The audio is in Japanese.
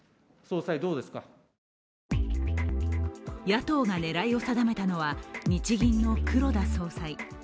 野党が狙いを定めたのは日銀の黒田総裁。